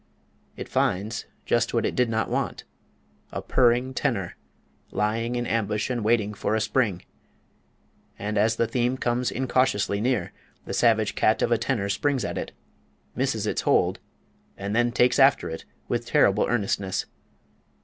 It finds just what it did not want, a purring tenor lying in ambush and waiting for a spring; and as the theme comes incautiously near, the savage cat of a tenor springs at it, misses its hold, and then takes after it with terrible earnestness.